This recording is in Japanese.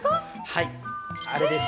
はい、あれです。